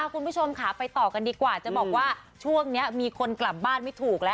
คุณผู้ชมค่ะไปต่อกันดีกว่าจะบอกว่าช่วงนี้มีคนกลับบ้านไม่ถูกแล้ว